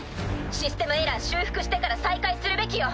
システムエラー修復してから再開するべきよ。